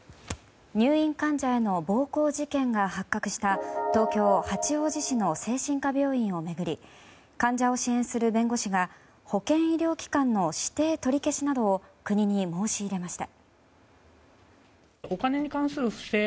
入院患者への暴行事件が発覚した東京・八王子市の精神科病院を巡り患者を支援する弁護士が保険医療機関の指定取り消しなどを国に申し入れました。